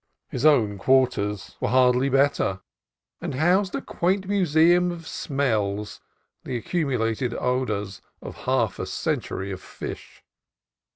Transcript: His own quarters were hardly n6 CALIFORNIA COAST TRAILS better, and housed a quaint museum of smells, the accumulated odors of half a century of fish.